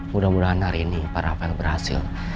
mudah mudahan hari ini para rafael berhasil